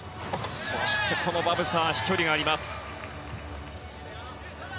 そしてバブサーは飛距離があります。